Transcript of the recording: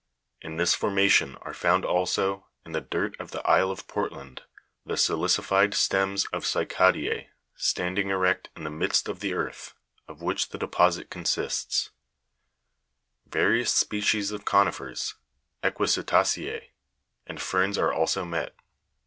In this formation are found also, in the dirt of the Isle of Portland, the sili'cified stems of cyca'dere (fig. 124), standing erect in the midst of the earth, of which the deposit consists ; various species of conifers, equi sita'ceoe, and ferns are also met.